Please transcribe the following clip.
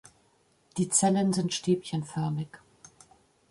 Die Zellen sind stäbchenförmig.